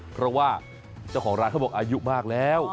เพราะว่าเจ้าของร้านเขาบอกอายุมากแล้ว